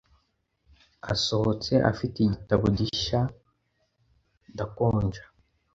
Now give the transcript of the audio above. “asohotse afite igitabo gishya ndakonja